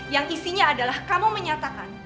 yang isinya adalah kamu menyatakan